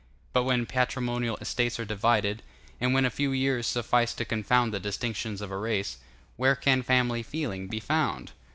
But when patrimonial estates are divided, and when a few years suffice to confound the distinctions of a race, where can family feeling be found?